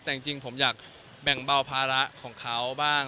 แต่จริงผมอยากแบ่งเบาภาระของเขาบ้าง